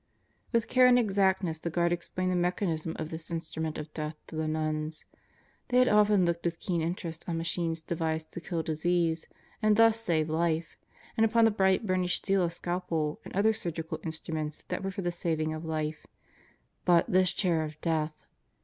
With care and exactness the guard explained the mechanism of this instrument of death to the nuns. They had often looked with keen interest on machines devised to kill disease and thus save life, and upon the bright burnished steel of scalpel and other surgical instruments that were for the saving of life; but this chair of death.